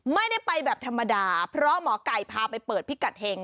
ไม่ได้ไปแบบธรรมดาเพราะหมอไก่พาไปเปิดพิกัดเห็ง